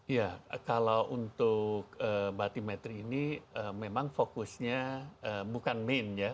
ya kalau untuk batimetri ini memang fokusnya bukan meme ya